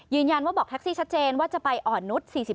ว่าบอกแท็กซี่ชัดเจนว่าจะไปอ่อนนุษย์๔๔